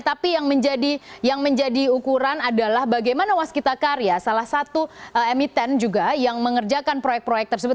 tapi yang menjadi ukuran adalah bagaimana waskita karya salah satu emiten juga yang mengerjakan proyek proyek tersebut